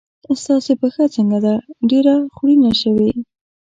ستاسې پښه څنګه ده؟ ډېره خوړینه شوې.